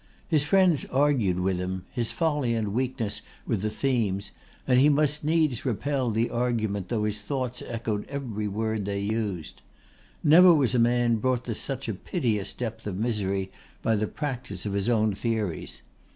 His friends argued with him his folly and weakness were the themes and he must needs repel the argument though his thoughts echoed every word they used. Never was a man brought to such a piteous depth of misery by the practice of his own theories.